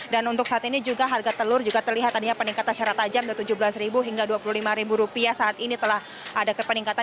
dan untuk saat ini juga harga telur juga terlihat adanya peningkatan secara tajam dari tujuh belas hingga dua puluh lima rupiah saat ini telah ada peningkatan